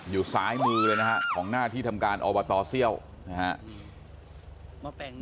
อยู่ซ้ายมือเลยนะฮะของหน้าที่ทำการอบตเซี่ยวนะฮะ